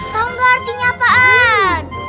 tau gak artinya apaan